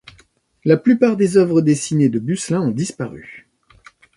La plupart des œuvres dessinées de Bucelin ont disparu.